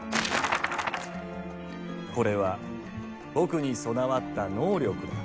これは、僕に備わった「能力」だ。